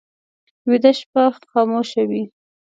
ویده شپه خاموشه وي